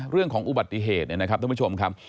เรื่องของอุบัติเหตุเนี่ยนะครับท่านผู้ชมครับ